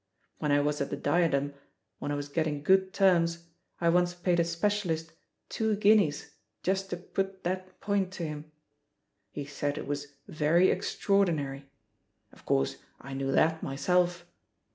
When I was at the Diadem» when I was getting good terms, I once paid a specialist two guineas just to put that point to him. He said it was Very extraordinary/ Of course, I knew that myself.